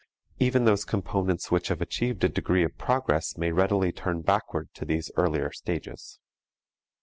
Even those components which have achieved a degree of progress may readily turn backward to these earlier stages.